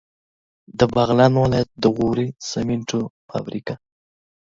د بغلان ولایت د غوري سیمنټو فابریکه